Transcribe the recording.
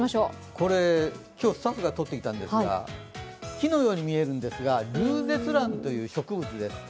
これは今日スタッフが撮ってきたんですが、木のように見えるんですが、リュウゼツランという植物です。